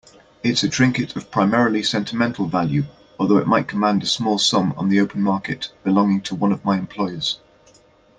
It's a trinket of primarily sentimental value, although it might command a small sum on the open market, belonging to one of my employers.